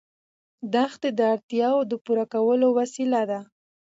دښتې د اړتیاوو د پوره کولو وسیله ده.